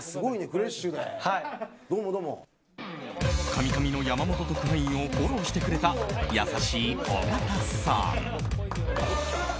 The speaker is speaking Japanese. カミカミの山本特派員をフォローしてくれた優しい尾形さん。